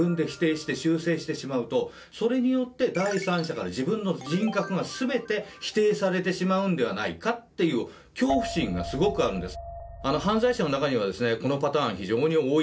してしまうとそれによって第三者から自分の人格が全て否定されてしまうんではないかっていう恐怖心がすごくあるんです。